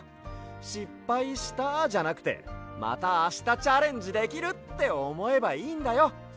「しっぱいした」じゃなくて「またあしたチャレンジできる」っておもえばいいんだよ。